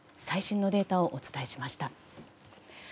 最新のデータをお伝えしました。